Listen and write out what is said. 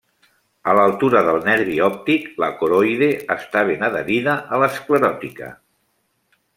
A l'altura del nervi òptic, la coroide està ben adherida a l'escleròtica.